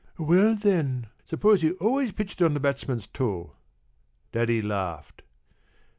p> "Well, then, suppose he always pitched it on the batsman's toe!" Daddy laughed.